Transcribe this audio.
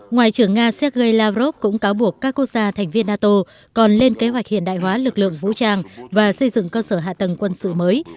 ngoại trưởng nga sergei lavrov cũng cáo buộc các quốc gia thành viên nato còn lên kế hoạch hiện đại hóa lực lượng vũ trang và xây dựng cơ sở hạ tầng quân sự mới